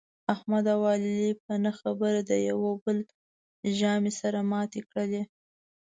احمد او علي په نه خبره د یوه او بل زامې سره ماتې کړلې.